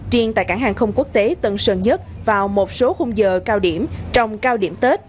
riêng tại cảng hàng không quốc tế tân sơn nhất vào một số khung giờ cao điểm trong cao điểm tết